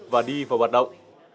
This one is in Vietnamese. và đi vào hoạt động